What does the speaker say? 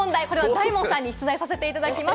大門さんに出題させていただきます。